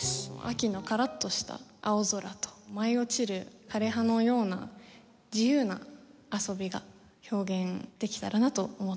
秋のカラッとした青空と舞い落ちる枯れ葉のような自由な遊びが表現できたらなと思ってます。